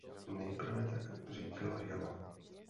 Nejprve tak „řídila“ Jana.